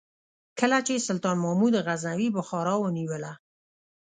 کله چې سلطان محمود غزنوي بخارا ونیوله.